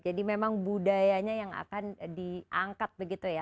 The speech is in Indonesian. jadi memang budayanya yang akan dianggap sebagai hal yang penting